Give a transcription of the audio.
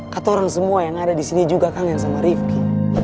kata orang semua yang ada disini juga kangen sama rifki